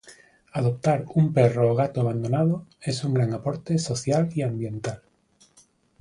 Adoptar un perro o gato abandonado es un gran aporte social y ambiental